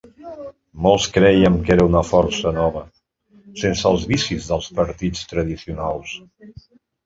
Molts crèiem que era una força nova, sense els vicis dels partits tradicionals.